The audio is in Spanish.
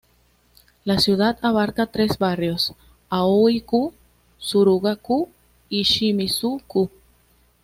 La ciudad abarca tres barrios: Aoi-ku, Suruga-ku y Shimizu-ku.